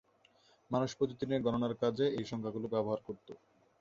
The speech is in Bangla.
মানুষ প্রতিদিনের গণনার কাজে এই সংখ্যাগুলো ব্যবহার করতো।